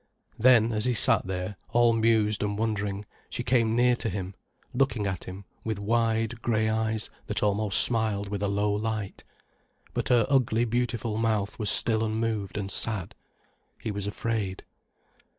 Then, as he sat there, all mused and wondering, she came near to him, looking at him with wide, grey eyes that almost smiled with a low light. But her ugly beautiful mouth was still unmoved and sad. He was afraid.